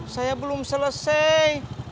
saya belum selesai